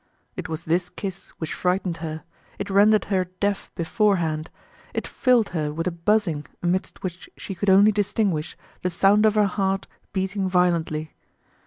It was this kiss which frightened her; it rendered her deaf beforehand; it filled her with a buzzing amidst which she could only distinguish the sound of her heart beating violently.